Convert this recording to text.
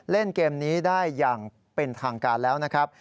เล่นเกมนี้ได้อย่างเป็นทางการแล้วนะครับ